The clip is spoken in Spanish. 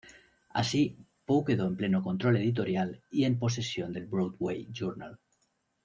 Así, Poe quedó en pleno control editorial y en posesión del "Broadway Journal".